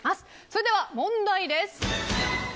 それでは問題です。